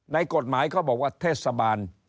ในกฎหมายเขาบอกว่าเทศบาล